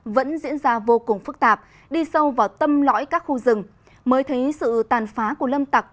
vẫn diễn ra vô cùng phức tạp đi sâu vào tâm lõi các khu rừng mới thấy sự tàn phá của lâm tặc